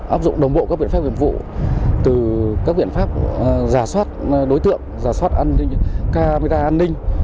áp dụng đồng bộ các biện pháp hiệp vụ từ các biện pháp giả soát đối tượng giả soát camera an ninh